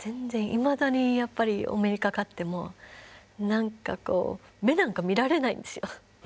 いまだにやっぱりお目にかかっても何かこう目なんか見られないんですよ。